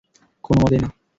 কোনও মতেই না।